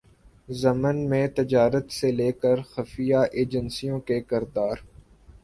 ضمن میں تجارت سے لے کرخفیہ ایجنسیوں کے کردار